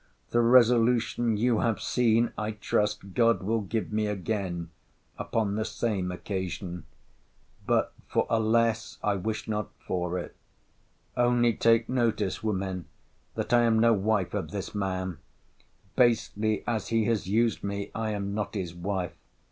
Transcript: The resolution you have seen, I trust, God will give me again, upon the same occasion. But for a less, I wish not for it.—Only take notice, women, that I am no wife of this man: basely as he has used me, I am not his wife.